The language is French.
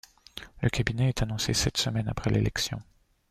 Le cabinet est annoncé sept semaines après l'élection.